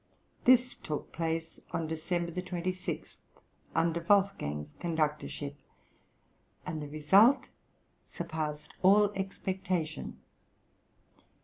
This took place on December 26, under Wolfgang's conductorship, and the result surpassed all expectation.